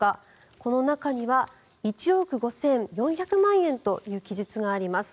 この中には１億５４００万円という記述があります。